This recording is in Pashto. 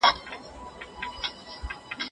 ولي هوډمن سړی د مخکښ سړي په پرتله لاره اسانه کوي؟